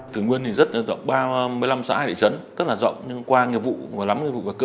thủy nguyên rất rộng ba mươi năm xã hải địa chấn rất là rộng nhưng qua nhiệm vụ và lắm nhiệm vụ cơ